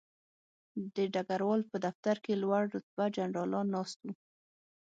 د ډګروال په دفتر کې لوړ رتبه جنرالان ناست وو